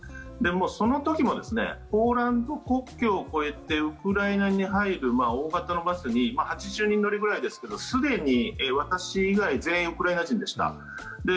その時もポーランド国境を越えてウクライナに入る大型のバスに８０人乗りぐらいですがすでに私以外全員ウクライナ人でした。